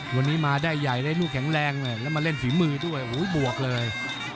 วันนี้มาได้ใหญ่ได้ลูกแข็งแรงแล้วมาเล่นฝีมือด้วยโอ้โหบวกเลย